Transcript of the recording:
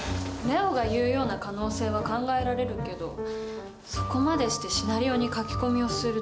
礼央が言うような可能性は考えられるけどそこまでしてシナリオに書き込みをする動機が分からない。